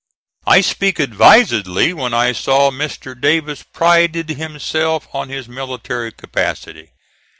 I speak advisedly when I saw Mr. Davis prided himself on his military capacity.